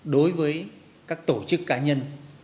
đối với các tổ chức cá nhân